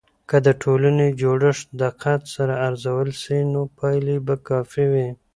که د ټولنې جوړښت دقت سره ارزول سي، نو پایلې به کافي وي.